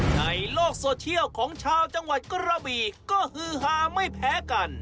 ในโลกโซเชียลของชาวจังหวัดกระบีก็ฮือฮาไม่แพ้กัน